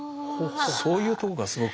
そういうとこがすごく。